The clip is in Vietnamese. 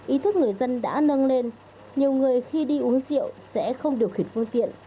ý thức người dân đã nâng lên nhiều người khi đi uống rượu sẽ không điều khiển phương tiện